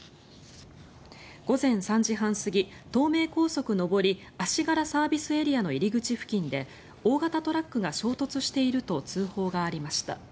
午前３時半過ぎ、東名高速上り足柄ＳＡの入り口付近で大型トラックが衝突していると通報がありました。